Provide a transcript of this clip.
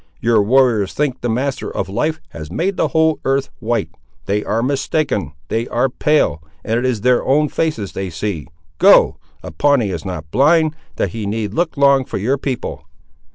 Your warriors think the Master of Life has made the whole earth white. They are mistaken. They are pale, and it is their own faces that they see. Go! a Pawnee is not blind, that he need look long for your people!"